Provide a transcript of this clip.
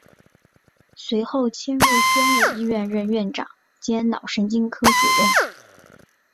随后迁入宣武医院任院长兼脑神经科主任。